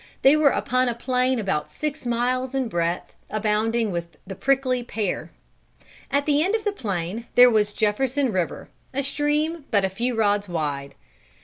They were upon a plain about six miles in breadth abounding with the prickly pear. At the end of the plain there was Jefferson river, a stream but a few rods wide.